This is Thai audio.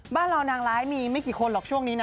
บ้านเรานางร้ายมีไม่กี่คนหรอกช่วงนี้นะ